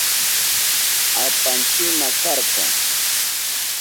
Apanchima karka.